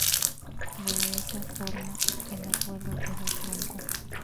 De esa forma, el acuerdo quedó trunco.